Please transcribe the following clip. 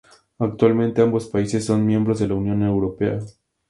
Actualmente ambos países son miembros de la Unión Europea.